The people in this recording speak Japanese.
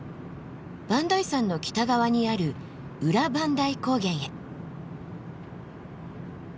磐梯山の北側にある裏磐梯高原へ。